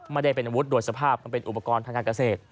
ไม่ได้เป็นอาวุธโดยสภาพมันเป็นอุปกรณ์ทางการเกษตร